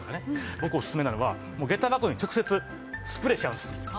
僕オススメなのはもう下駄箱に直接スプレーしちゃうんです。